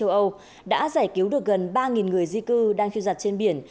hải quân italia lực lượng bảo vệ bờ biển italia đã giải cứu được gần ba người di cư đang khiêu giặt trên biển